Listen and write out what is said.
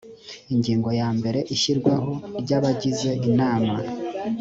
ingingo ya mbere ishyirwaho ry abagize inama